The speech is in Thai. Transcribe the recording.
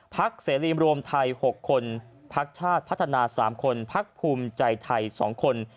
พักเสรีริมรวมไทย๖คน